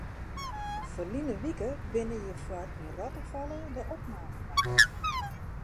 Ferline wike binne hjirfoar yn Rottefalle de opnamen makke.